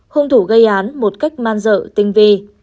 hung thủ gây án một cách man dợ tinh vi